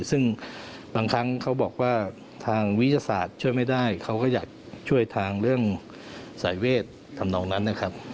ซึ่งบางครั้งเขาบอกว่าทางวิทยาศาสตร์ช่วยไม่ได้เขาก็อยากช่วยทางเรื่องสายเวททำนองนั้นนะครับ